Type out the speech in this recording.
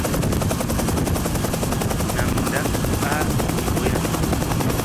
Nam ndak a di boyna.